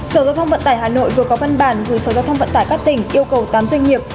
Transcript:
sở giao thông vận tải hà nội vừa có văn bản gửi sở giao thông vận tải các tỉnh yêu cầu tám doanh nghiệp